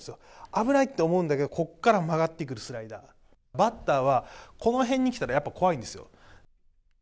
危ないと思うんだけど、ここから曲がってくる、スライダーバッターはこの辺に来たら、やっぱ怖いんですよ。